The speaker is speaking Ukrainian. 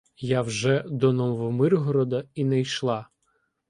Я вже до Новомиргорода і не йшла.